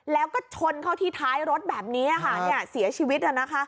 แล้วก็ชนเข้าที่ท้ายรถแบบนี้ค่ะเสียชีวิต